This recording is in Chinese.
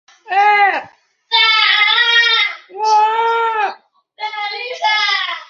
伦敦是世界顶尖的旅游都市之一。